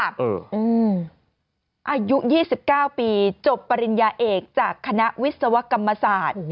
อายุ๒๙ปีจบปริญญาเอกจากคณะวิศวกรรมศาสตร์